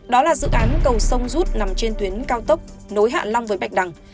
đó là dự án cầu sông rút nằm trên tuyến cao tốc nối hạ long với bạch đằng